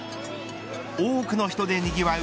多くの人でにぎわう